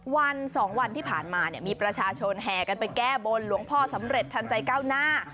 วัน๒วันที่ผ่านมาเนี่ยมีประชาชนแห่กันไปแก้บนหลวงพ่อสำเร็จทันใจก้าวหน้า